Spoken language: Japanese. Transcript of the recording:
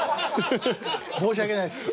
申し訳ないです。